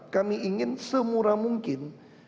kami ingin semurah mungkin